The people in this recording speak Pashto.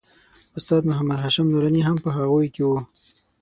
استاد محمد هاشم نوراني هم په هغوی کې و.